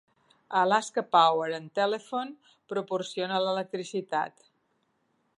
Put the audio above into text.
Alaska Power and Telephone proporciona l'electricitat.